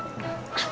あっ。